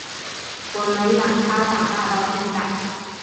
我们养他长大到现在